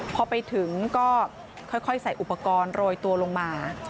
พอไปถึงก็ค่อยใส่อุปกรณ์โรยตัวลงมา